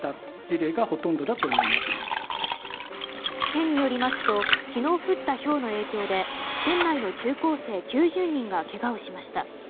県によりますと昨日降ったひょうの影響で県内の中高生９０人がけがをしました。